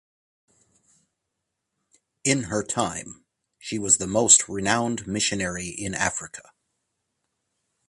In her time "she was the most renowned missionary in Africa".